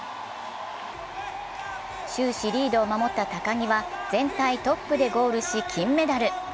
終始、リードを守った高木は全体トップでゴールし金メダル。